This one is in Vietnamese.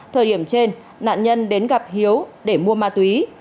thời điểm trên nạn nhân đến gặp hiếu để mua ma túy